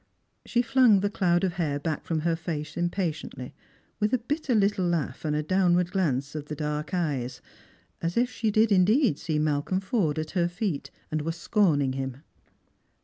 She flung the cloud of hair back from her face impatiently, with a bitter little laugh and a downward glance of the dark eyes, as if she did indeed see Malcolm Forde at her feei^ and were scorning him.